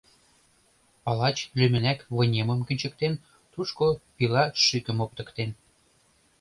Палач лӱмынак вынемым кӱнчыктен, тушко пилашӱкым оптыктен.